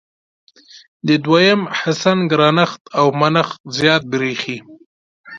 د دویم حسن ګرانښت او منښت زیات برېښي.